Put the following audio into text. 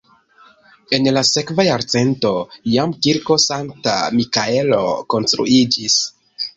En la sekva jarcento jam kirko Sankta Mikaelo konstruiĝis.